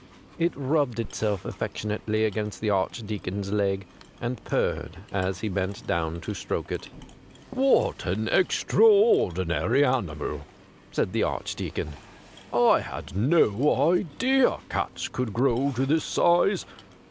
It rubbed itself affectionately against the Archdeacon's leg, and purred as he bent down to stroke it. ' What an extraordinary animal !' said the Archdeacon. ' I had no idea cats could grow to this size.